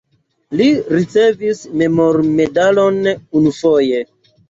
Li ricevis memormedalon unufoje.